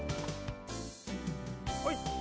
はい。